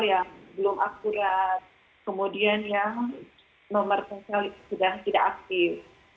yang belum akurat kemudian yang nomor ponsel sudah tidak aktif